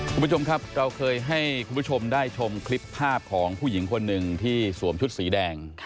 คุณผู้ชมครับเราเคยให้คุณผู้ชมได้ชมคลิปภาพของผู้หญิงคนหนึ่งที่สวมชุดสีแดง